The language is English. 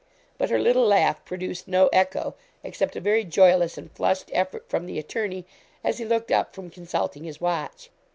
But her little laugh produced no echo, except a very joyless and flushed effort from the attorney, as he looked up from consulting his watch.